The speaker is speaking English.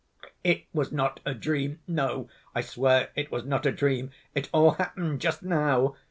"It was not a dream! No, I swear it was not a dream, it all happened just now!"